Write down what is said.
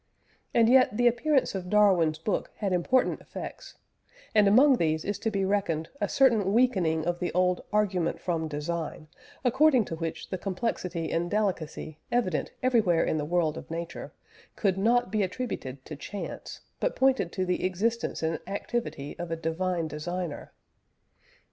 And yet the appearance of Darwin's book had important effects, and among these is to be reckoned a certain weakening of the old "Argument from Design," according to which the complexity and delicacy evident everywhere in the world of nature, could not be attributed to chance, but pointed to the existence and activity of a divine Designer.